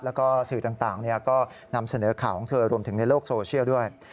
แล้วก็สื่อต่างก็นำเสนอข่าวของเธอรวมถึงในโลกโซเชียลด้วย